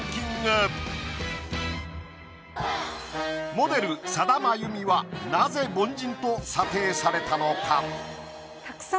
モデル佐田真由美はなぜ凡人と査定されたのか？